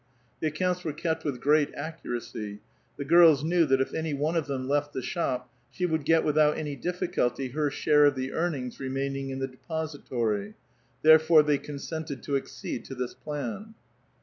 I^he accounts were kept with great accuracy ; the girls knew if any one of them left the shop, she would get with ut any difficulty her share of the earnings remaining in the epository ; therefore they consented to accede to this plan.